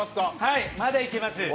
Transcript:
まだいけます。